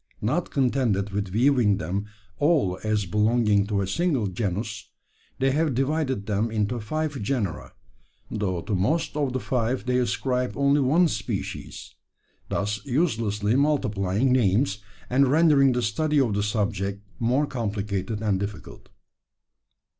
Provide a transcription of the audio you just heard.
Not contented with viewing them all as belonging to a single genus, they have divided them into five genera though to most of the five they ascribe only one species! thus uselessly multiplying names, and rendering the study of the subject more complicated and difficult.